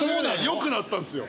良くなったんですよ。